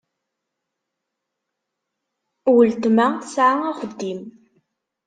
Weltma tesɛa axeddim.